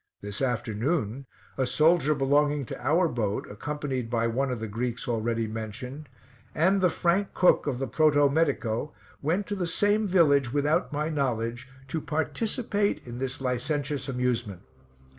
This afternoon, a soldier belonging to our boat, accompanied by one of the Greeks already mentioned, and the Frank cook of the Proto Medico went to the same village, without my knowledge, to participate in this licentious amusement.